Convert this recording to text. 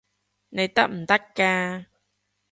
你得唔得㗎？